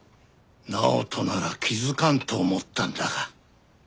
直人なら気づかんと思ったんだが。